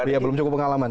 dia belum cukup pengalaman